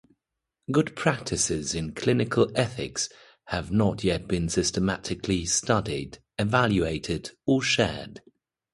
Good practices in clinical ethics have not yet been systematically studied, evaluated, or shared.